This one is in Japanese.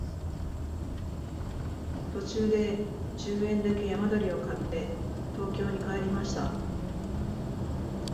途中で十円だけ山鳥を買って東京に帰りました